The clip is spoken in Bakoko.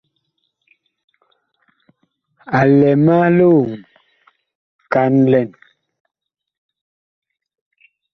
A lɛ ma lioŋ kan lɛn.